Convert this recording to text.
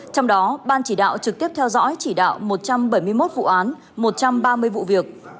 trong đó ban chỉ đạo trực tiếp theo dõi chỉ đạo một trăm bảy mươi một vụ án một trăm ba mươi vụ việc